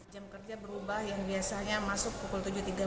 jam kerja berubah yang biasanya masuk pukul tujuh tiga puluh